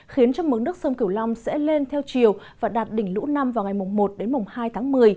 khiến cho mức nước sông cửu long sẽ lên theo chiều và đạt đỉnh lũ năm vào ngày một đến hai tháng một mươi